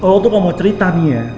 lo tuh mau cerita nih ya